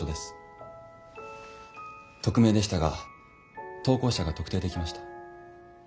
匿名でしたが投稿者が特定できました。